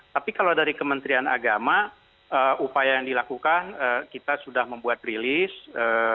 tapi kalau dari kementerian agama upaya yang dilakukan kita sudah membuat rilis